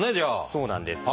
そうなんです。